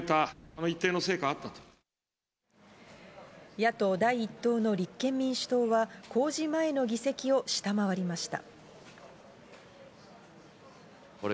野党第一党の立憲民主党は公示前の議席を下回りました。